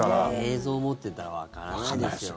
映像持ってたらわからないですよね。